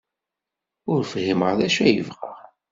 Ur fhimeɣ d acu ay yebɣa.